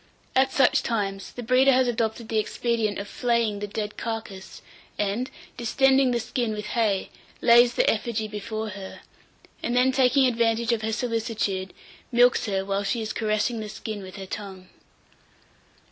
At such times, the breeder has adopted the expedient of flaying the dead carcase, and, distending the skin with hay, lays the effigy before her, and then taking advantage of her solicitude, milks her while she is caressing the skin with her tongue.